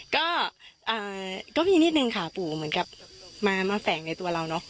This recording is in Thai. ก็มีนิดนึงค่ะปู่เหมือนกับมาแฝงในตัวเราเนอะ